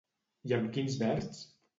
I amb quins verds?